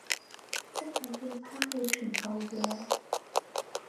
即係要拋棄全部嘢